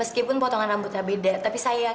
sayang kamu tunggu sihir dulu ya